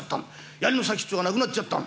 やりの先っちょがなくなっちゃったの。